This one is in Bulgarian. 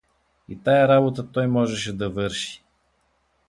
И тая работа той можеше да върши.